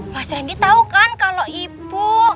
mas randy tau kan kalo ibu